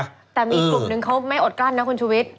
แต่มีอีกกลุ่มนึงเขาไม่อดกลั้นนะคุณชุวิต